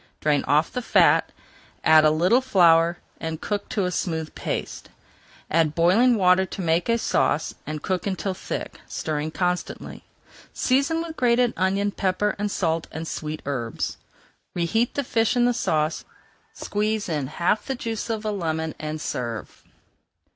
Drain off the fat, add a little flour and cook to a smooth paste. Add boiling water to make a sauce, and cook until thick, stirring constantly. Season with grated onion, [Page 403] pepper and salt and sweet herbs. Reheat the fish in the sauce, squeeze in the juice of half a lemon, and serve.